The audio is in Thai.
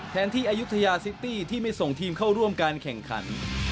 แทนที่อายุทยาซิตี้ที่ไม่ส่งทีมเข้าร่วมการแข่งขัน